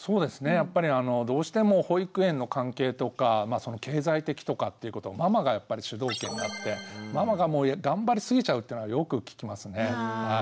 やっぱりあのどうしても保育園の関係とかその経済的とかっていうことをママがやっぱり主導権になってママがもう頑張りすぎちゃうっていうのはよく聞きますね。